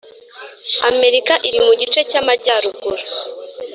amerika iri mu gice cy’amajyaruguru.